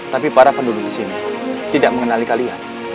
tapi para penduduk disini tidak mengenali kalian